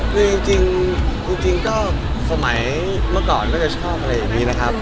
คือจริงก็สมัยเมื่อก่อนก็จะชอบอะไรอย่างนี้นะครับ